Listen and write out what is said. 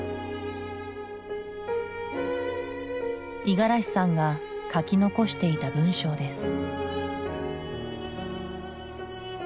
五十嵐さんが書き残していた文章です。